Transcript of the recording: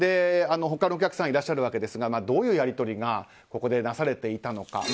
他のお客さんがいらっしゃるわけですがどういうやり取りがここでなされていたのか。